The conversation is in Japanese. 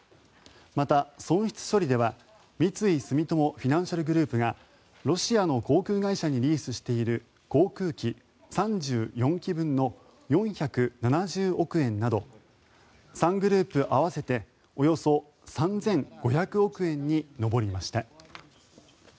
また損失処理では、三井住友フィナンシャルグループがロシアの航空会社にリースしている航空機３４機分の４７０億円など３グループ合わせておよそ３５００億円に上りました。